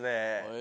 え？